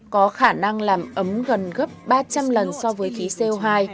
có khả năng làm ấm gần gấp ba trăm linh lần so với khí co hai